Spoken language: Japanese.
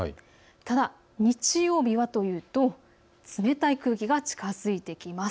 ただ、日曜日はというと冷たい空気が近づいてきます。